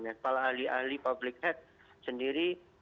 yang kepala ahli ahli public health sendiri mesti lebih tahu